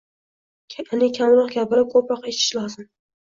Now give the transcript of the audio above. Ya’ni, kamroq gapirib, ko‘proq eshitish lozim.